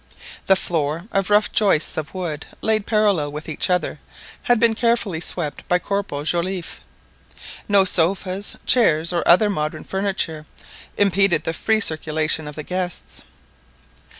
The floor, of rough joists of wood laid parallel with each other, had been carefully swept by Corporal Joliffe. No sofas, chairs, or other modern furniture, impeded the free circulation of the guests.